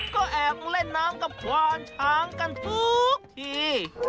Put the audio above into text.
ก็แอบเล่นน้ำกับควานช้างกันทุกที